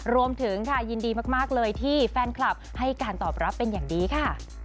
รวมถึงค่ะยินดีมากเลยที่แฟนคลับให้การตอบรับเป็นอย่างดีค่ะ